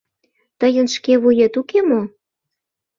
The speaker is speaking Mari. Тыйын шке вует уке мо?